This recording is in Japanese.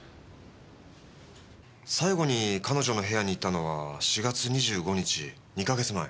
最後に彼女の部屋に行ったのは４月２５日２か月前。